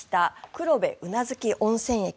黒部宇奈月温泉駅